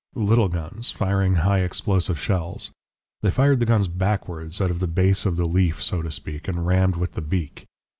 "Little guns, firing high explosive shells. They fired the guns backwards, out of the base of the leaf, so to speak, and rammed with the beak.